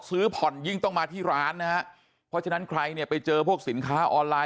ซื้อผ่อนยิ่งต้องมาที่ร้านนะฮะเพราะฉะนั้นใครเนี่ยไปเจอพวกสินค้าออนไลน